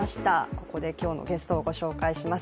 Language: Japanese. ここで今日のゲストをご紹介します。